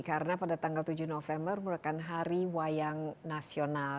karena pada tanggal tujuh november merupakan hari wayang nasional